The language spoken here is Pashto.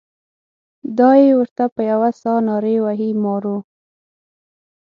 دای ورته په یوه ساه نارې وهي مارو.